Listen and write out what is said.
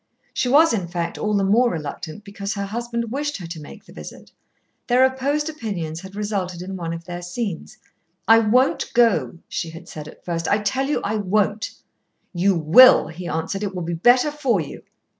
She was, in fact, all the more reluctant because her husband wished her to make the visit. Their opposed opinions had resulted in one of their scenes. "I won't go," she had said at first. "I tell you I won't." "You will," he answered. "It will be better for you."